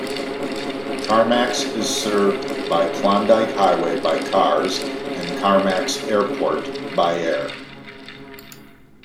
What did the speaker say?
Carmacks is served by Klondike Highway by cars and Carmacks Airport by air.